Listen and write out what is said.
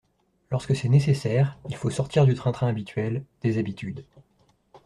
Lorsque c’est nécessaire, il faut sortir du train-train habituel, des habitudes.